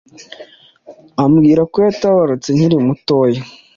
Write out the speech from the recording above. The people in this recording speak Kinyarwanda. ambwira ko yatabarutse nkiri mutoya.